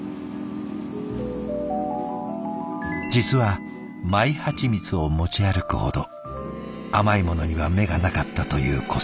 実はマイハチミツを持ち歩くほど甘いものには目がなかったという小三治。